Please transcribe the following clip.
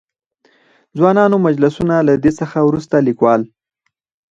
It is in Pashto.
د ځوانانو مجلسونه؛ له دې څخه ورورسته ليکوال.